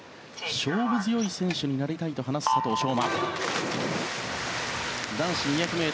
勝負強い選手になりたいと話す佐藤翔馬。